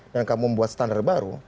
dan kamu membuat standar baru